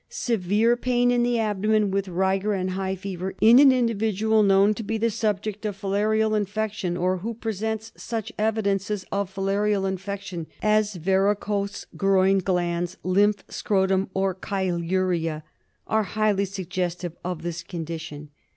Severe pain in the abdomen, with rigor and high fever in an individual known to be the subject of filarial infection, or who presents such evidences of filarial infection as varicose groin glands, lymph scrotum or chyluria, are highly suggestive of this condition.